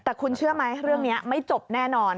แต่คุณเชื่อไหมเรื่องนี้ไม่จบแน่นอน